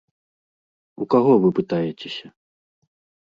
У каго вы пытаецеся?